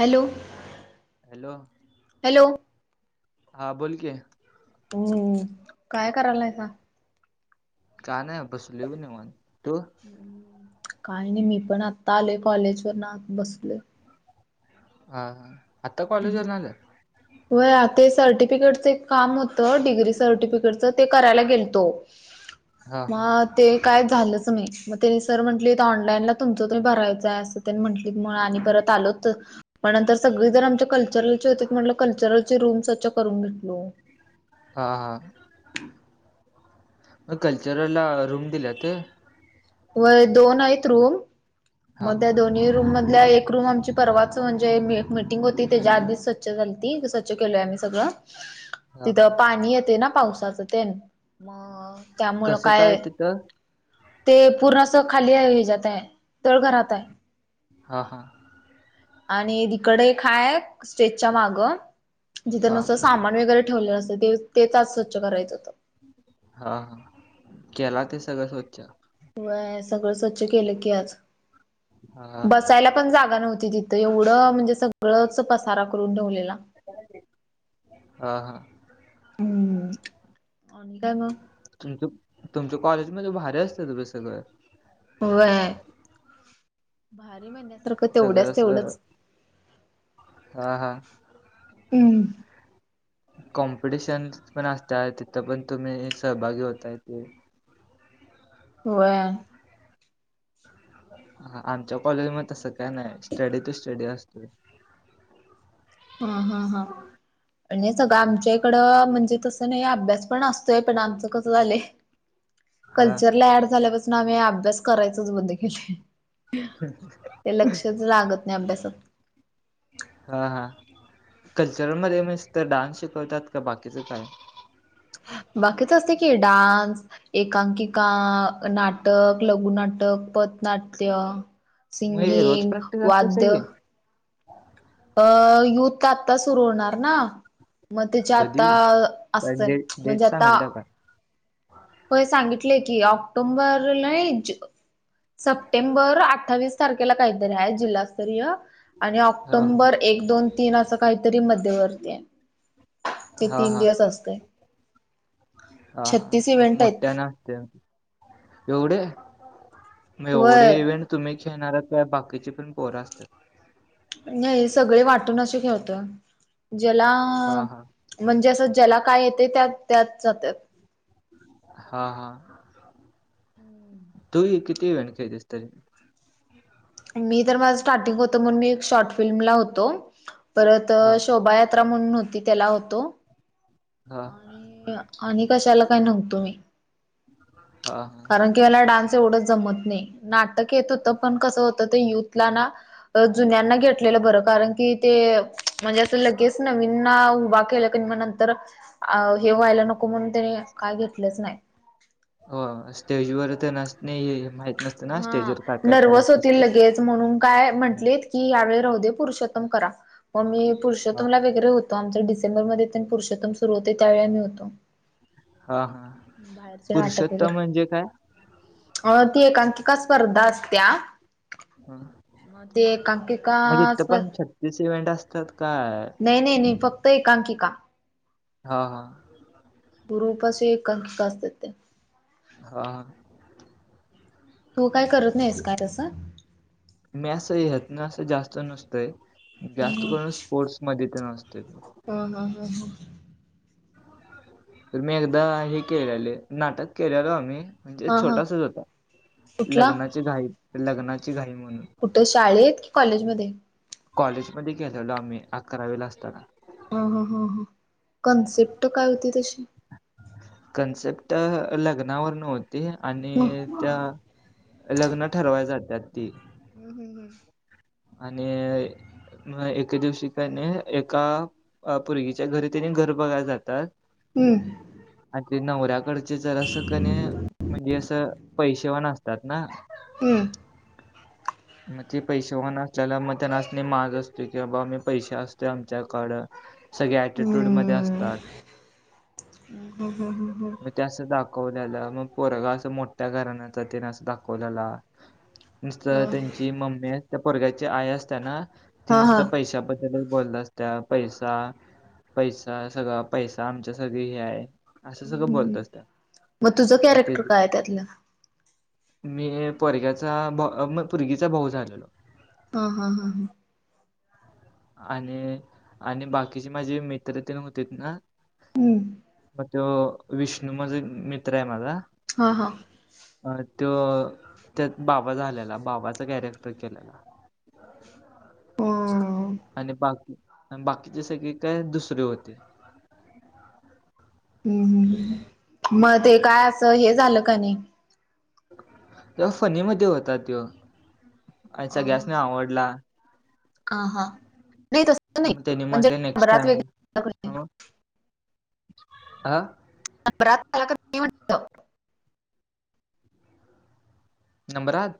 Hello hello hello हा बोल की हम्म काय करायलासा? का नाही बसलोय बघ निवांत तू? काय नाही मी पण आता आलोय कॉलेज वरन आत बसलोय. हा हा आता कॉलेजवरनं आलाय? व्हय ते सर्टिफिकेटचं एक काम होतं डिग्री सर्टिफिकेटच ते करायला गेलतो. [inaudible] मग ते काय झालंच नाही मग त्यानी सर म्हटली तर ऑनलाईनला तुमचं तर भरायचंय आसच त्यानी म्हटली मग आम्ही परत आलो तर मग नंतर सगळी जण कल्चरलचे होते म्हटलं कल्चरलचे रूम्स स्वच्छ करून घेतलो. हा हा मग कल्चरल ला रूम दिलात. वय दोन आहेत रूम हा मध्ये दोन रूम मध एक रूम आमची परवाच म्हणजे मिटिंग होती त्याच्या आधीच स्वच्छ झालती तसं चकेलंय मी सगळं. [inaudible] तिथं पाणी येते ना पावसाचं तेन मग त्यामुळं कसं काय. तिथं ते पुराचं खाली ये जातंय तळघरातय. हा हाहा. आणि हिकडं एक हाय स्टेटच्या माग. जिथं हा नसतं सामान वगैरे ठेवलेलं असतं तेच स्वच्छ करायचं होतं. हा हा केला ते सगळं स्वच्छ? वय सगळं स्वच्छ केलं की आज हा हा बसायला. पण जागा नव्हती तिथं एवढं म्हणजे सगळंच पसारा करून ठेवलेला. हा हा. हम्म आणि काय मग? तुमच तुमच्या कॉलेज भारी असत सगळं. होय. भारी म्हणण्यासारखं सगळं तेवढ्याच असं तेवढच. हा हा हम्म. कॉम्पिटिशन पण असत तिथं पण तुम्ही सहभागी होताय ते. व्हय. ह आमच्या कॉलेज म तसं काय नाही हा. स्टडी टू स्टडी असतो हा हा हा. पण हे सगळं आमच्या इकडं म्हणजे तसं नाही अभ्यास पण असतोय पण आमचं कसं झालंय. [inaudible] कल्चरला ऍड झाल्यापासून आम्ही अभ्यास करायचच बंद केलंय. [unintelligible] ते लक्षच लागत नाही अभ्यासात हा हा कल्चरल मध्ये निस्त तर डान्स शिकवतात का बाकीचं काय बाकीच असते की डान्स एकांकिका. नाटक लघु नाटक पथनाट्य. मग हे रोज सिंगिंग प्रॅक्टिस असते वाद्य. सगळी? अ युथ तर आत्ता सुरू होणार ना? म त्याची कधी? आत्ता अ काय असतं डेट डेट म्हणजे आता. सांगितला का? होय सांगितलेय की ऑक्टोंबर लय ज सप्टेंबर अठ्ठावीस तारखेला काहीतरी आहे जिल्हास्तरीय. आणि हा हा ऑक्टोंबर एक दोन तीन असं काहीतरी मध्यवर्ती आय. ते हा तीन हा दिवस असतय छटिस इव्हेंट आहेत अच्छा एवढे एवढे वय नाय इव्हेंट तुम्ही खेळणार असल्यावर बाकीचे पण पोरं असत्यात? नाही सगळे वाटून असे खेळतोय ज्याला हा हा म्हणजे असं ज्याला काय येते त्या त्यात जातात. हा हा. [inaudible] किती किती इव्हेंट खेळतेस तरी? मी तर माझं स्टार्टिंग होत म्हण मी एक शॉर्ट फिल्मला होतो. परत हा शोभायात्रा म्हणून होती त्याला होतो. हा आणि आणि कशाला काय नव्हतो मी. हा हा. कारण की याला डान्स एवढंच जमत नाही नाटक येत होतं पण कसं होतं ते युथला ना. अ जुन्यांना घेतलेलं बरं कारण की ते. म्हणजे असं लगेस नवीनना उभा केलं की नई मग नंतर. अ हे व्हायला नको म्हणून त्याने काय घेतलंच नाही. हो स्टेज वर तर नस नाही माहित नस हा नर्वस होतील लगेच म्हणून काय म्हंटलीत. की यावेळी राहू दे पुरुषोत्तम करा मग मी हा पुरुषोतमला वगरे हो तो आमच्या डिसेंबरमध्येध्ये प पुरुषोतम सुर त्यावेे आमी होतो. हा हा बाहेरचे नाटक पुरुषोत्तम वगैरे म्हणजे काय? अ ती एकांकिका स्पर्धा असत्या. हा. मग ते एकांकिका स्पर्ध तिस इव्हेंट असतात काय. नाही नाही नाही, फक्त एकांकिका. हा हा. गुरुपशी एकांकिका असते ते. हाहा. तू काय करत नाहीस काय तसं? मॅस ना अस जास्त नसतंय ह जास्त करून स्पोर्टस मध्ये तेन असतोय. अहं हम्म हम्म. तर मी एकदा हे केलेले, नाटक केलेलो आम्ही. म्हणजे हा हा छोटासाच होता, कुठला? लग्नाची घाई लग्नाची घाई म्हणून. कुठं शाळेत की कॉलेजमध्ये? कॉलेजमध्ये केलेलो आम्ही अकरावीला असताना. ह ह ह कॉन्सेप्ट काय होती तशी? कन्सेप्ट लग्नावर नवत ते आणि त्या लग्न ठरवय जातात ती. हम्म हम्म हम्म. आणि म एके दिवशी काने एका. अ पोरगीच्या घरी त्यानी घर बघायला जातात. हम्म. आणि ते नवऱ्याकडचे जरा अस कने म्हणजे असं पैश व न अस तात ना. हम्म. मग ते पैसे होन असल्याला मग त्यांनाच नाही माग असते कि बाबा मी पैसे असतो आमच्याकड. सगळे अटिट्यूड मध्ये हम्म असतात. हम्म ते असं दाखवलेलं मग पोरगा असं मोठ्या घराण्याचा तेन अस दाखवलेला. नुसत हम्म त्यांची मम्मी अस त्या पोरग्याची आई असताना ती हा नुसत हा. पैशा बद्द बोलत असत पैसा पैसा सगळ आमच्या सगळी हे आहे. असं हम्म सगळं हम्म बोलत हम्म. असतीया मग तुझं आणि ते. कॅरेक्टर काय आहे त्यातलं? मी हे पोरग्याचा म पोरगीचा भाऊ झालेलो. हा हा हा हा. आणि आणि बाकीचे माझे मित्र तेन होते ना. हम्म. मग तो विष्णू माझ मित्र आहे माझा. हा हा. अ तो त्यात बाबा झालेला, बाबाचा कॅरेक्टर केलेला. [inaudible] हो. आणि बाकी बाकीचे सगळे काय दुसरे होते. हम हम मग ते काय असं हे झालं काय नाही. जस्ट फनी मध्ये होता तो, अच्छा सगळ्यांसनी आवडला. ह ह नाही तसं नाही, मग त्यांनी म्हणजे म्हटले नेक्स्ट बराच वेळ. टाइम आ. [unintelligible] नम्रात.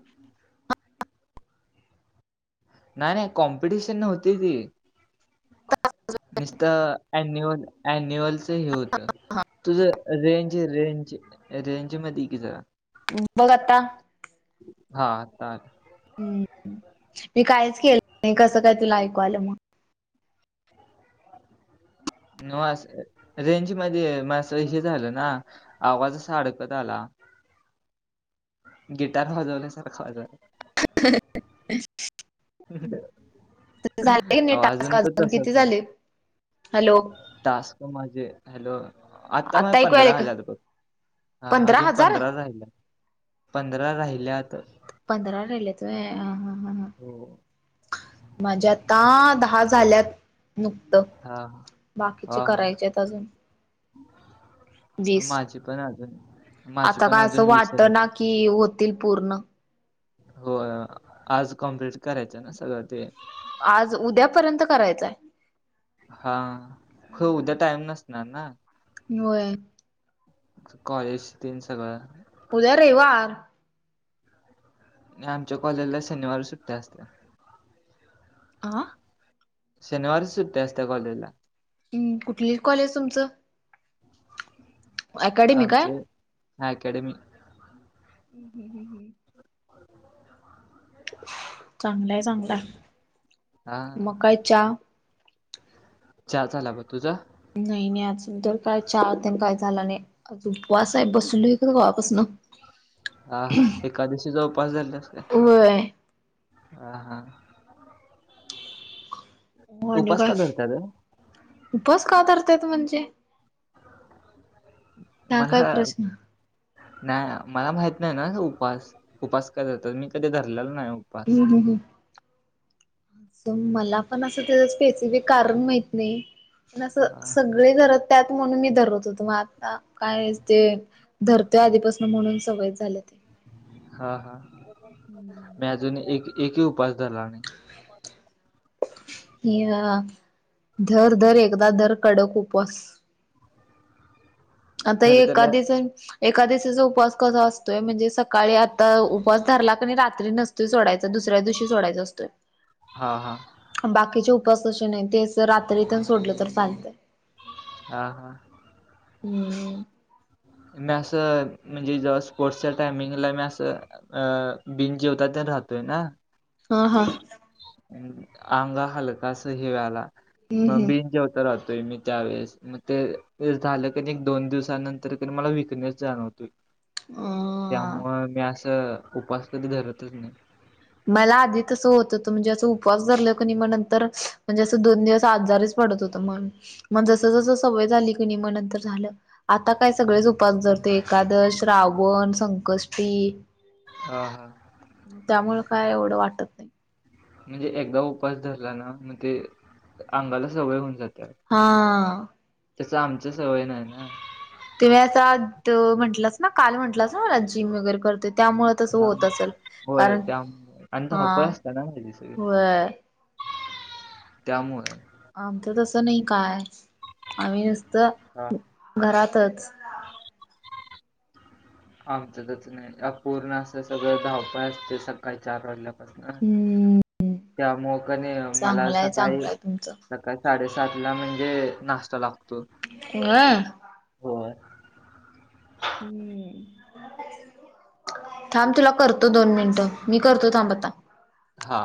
नाय नाय कॉम्पिटिशन नव्हती ती निसतं ॲनिमल. अन्युअलचं हे होतं. तुझं रेंज रेंज रेंज मध्ये इकी जरा. बघ आता. हा आत्ता आलं. हम मी कायच केलं नाही, कसं काय तुला ऐकू आलं मग. म रेंज मध्ये मग असं हे झालं ना आवाज अडकत आला. गिटार वाजवल्या सारखा आवाज आला. [unintelligible] झाले कणी आवाज टास्क, पण अजून किती तसाच आहे. झाले. हॅलो टास्क माझे हॅलो, आता माझे ऐकू आले पंधरा का [unintelligible] बग. हा अजून पंधरा राहिल्यात पंधरा राहिल्यात. पंधरा राहिल्यात व्हयं हं हं हं. हो. माझे आता दहा झाल्यात नुकतं. हा हा. बाकीचे हा, हा. करायचेत अजून. वीस माझे पण अजून माझे आता पण काय असं अजून राहिल्यात. वाटना की. ही होतील पूर्ण. हो आज कम्प्लीट करायचं, हाय ना ते सगळं. आज उद्यापर्यंत करायचाय. हा हो उद्या टाईम नसणार ना. व्हयं. कॉलेज तेन सगळं. उद्या रविवारी. आमच्या कॉलेजला शनिवारी सुट्टी असत्या. आं. शनिवारीच सुट्टी असत्या कॉलेजला. हम् कुठली कॉलेज तुमचं. अकॅडमी आमच काय अँकॅडमी. हम् हम् हम हम. [inaudible] चांगलं हाय चांगलं हा हाय मग काय चहा? च्या झाला बघ तुझा? नाई नाई अजून तर च्या त्य काय झाला नाही. आज उपवास हाय बसलुय कवा पासन. हा हा एकादशीचा उपवास धरलायस का? व्हय. अ हा हा. म आणि उपास काय का धरतात रे? उपवास का करत्यात म्हणजे? हा काय मला प्रश्न. नाही मला माहित नाही ना उपास उपास कध मी कधी धरलेल नाही उप हम्म हम्म हम्म. मला पण असं त्याच स्पेसिफिक कारण माहित नाही पण असं हा सग सगळे धरत्यात म्हणून मी धरत होतो मग आता काय ते. धरते आधीपासून म्हणून सवय झाल्या ते हा हा. हम्म मी अजून एक एकही उपास धरला नाही. धर धर एकदा दर कडक उपवास आता हे खरं त्याला एकादश एकादशीचा उपवास कसा असतोय म्हणजे सकाळी आता उपवास धरला क रात्री नस नसतं सोडायचा, दुसऱ्या दिवशी सोडायचा असतय. हा हा बाकीचे उपास अस नाही ते रात्रीथ सोडलं तर चालतंय. हा हा. हम्म. म असं म्हणजे जेव्हा स्पोर्ट्सच्या टायमिंगला मी असं. अ बिन जेवता त्यां राहतोय ना. हा हा. अंग हलका अस हेवाला मग हम्म बिन जेव राहतोय मी त्यावेेळेस मग ते झालं क एक दोन दिवसानंतर क मला विकनेस जाणवतोय. [inaudible] हम त्यामुळं मी असं उपास कधी धरतच नाही. मला आधी तसं होत होत म्हणजे असं उपवास धरलाकणी मग नंतर म्हणजे असं दोन दिवस आजारीच पडत होत मग जस जस सवय झाली की नि म नंतर झालं. आता काय सगळेच उपास धरते एकादश श्रावण संकष्टी. हा हा. त्यामुळे काय एवढं वाटत ना म्हणजे एकदा उपास धरला ना मग ते अंगाला सवय होऊन जात हा. तस आमच सवय नाही ना. तुम्ही अआता म्हटलंच ना काल म्हटलंस ना मला जिम वगैरे करतो. त्यामुळ तस हा होत असेल, होय कारण त्यामुळं आणि हा व्हय. त्यामुळ. आमचं तसं नही काय आम्ही नुसत हा घरातच आमचं तसं नाही पूर्ण असं सगळं धावपळ असते सकाळी चार वाजल्या हम्म [unintelligible] त्यामुळे क नई मला चांगलंय सकाळी चांगलंय तुमचं सकाळी साडेसातला म्हणजे नाश्ता लागतो. हम होय हम्म थांब तुला करतो दोन मिनिटं मी करतो थांब आता हा